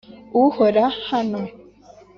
uhora hano,